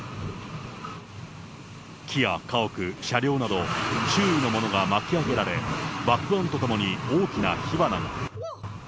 木や家屋、車両など周囲のものが巻き上げられ、爆音とともに大きな火花が。